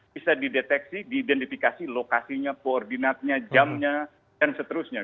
bisa dideteksi diidentifikasi lokasinya koordinatnya jamnya dan seterusnya